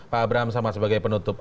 pak abraham sama sebagai penutup